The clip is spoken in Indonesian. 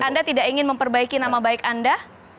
anda tidak ingin memperbaiki nama baik anda